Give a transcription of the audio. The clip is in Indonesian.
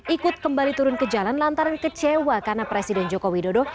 ikut kembali turun ke jalan lantaran kecewa karena presiden joko widodo